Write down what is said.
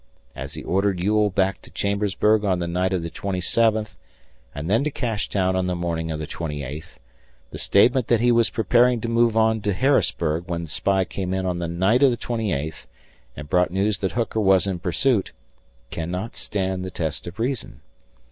As he ordered Ewell back to Chambersburg on the night of the twenty seventh and then to Cashtown on the morning of the twenty eighth, the statement that he was preparing to move on to Harrisburg when the spy came in on the night of the twenty eighth and brought news that Hooker was in pursuit cannot stand the test of reason.